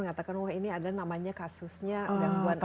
mengatakan wah ini ada namanya kasusnya gangguan